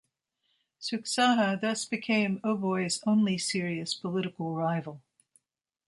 Suksaha thus became Oboi's only serious political rival.